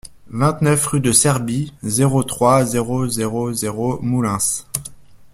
vingt-neuf rue de Serbie, zéro trois, zéro zéro zéro, Moulins